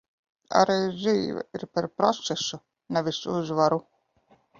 Arī dzīve ir par procesu, nevis uzvaru.